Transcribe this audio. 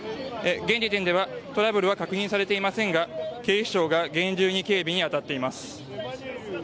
現時点ではトラブルは確認されていませんが警視庁が厳重に警備に当たっています。